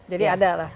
jadi ada lah